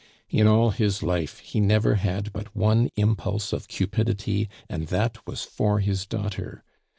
"In all his life he never had but one impulse of cupidity, and that was for his daughter!